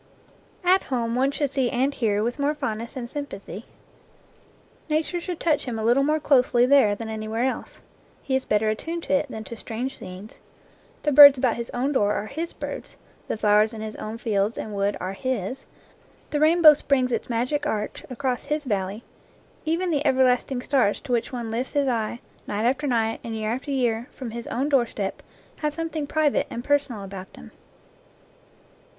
At home one should see and hear with more fond ness and sympathy. Nature should touch him a little more closely there than anywhere else. He is better attuned to it than to strange scenes. The birds about his own door are his birds, the flowers in his own fields and wood are his, the rainbow springs its magic arch across his valley, even the everlasting stars to which one lifts his eye, night after night, and year after year, from his own doorstep, have something private and personal about them.